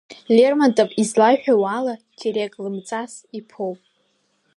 Лермонтов излаиҳәауа ала Терек лымҵас иԥоит.